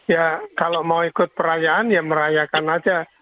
ya kalau mau ikut perayaan ya merayakan aja